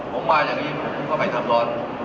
ผมมาอย่างงี้ก็ไปทับซ้อน